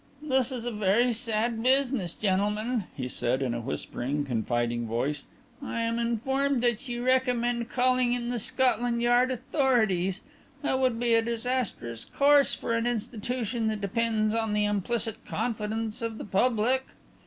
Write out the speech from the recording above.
"This is a very sad business, gentlemen," he said, in a whispering, confiding voice. "I am informed that you recommend calling in the Scotland Yard authorities. That would be a disastrous course for an institution that depends on the implicit confidence of the public."